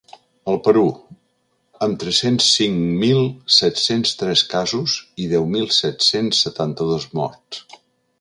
El Perú: amb amb tres-cents cinc mil set-cents tres casos i deu mil set-cents setanta-dos morts.